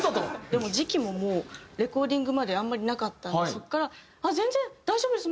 でも時期ももうレコーディングまであんまりなかったんでそこから「全然大丈夫です。